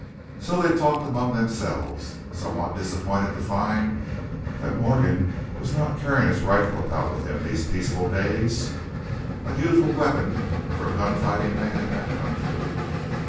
So they talked among themselves, somewhat disappointed to find that Morgan was not carrying his rifle about with him these peaceful days, unusual weapon for a gun fighting man in that country.